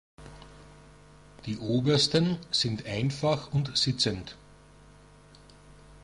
Die obersten sind einfach und sitzend.